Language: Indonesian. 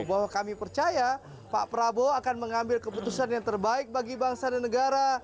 bahwa kami percaya pak prabowo akan mengambil keputusan yang terbaik bagi bangsa dan negara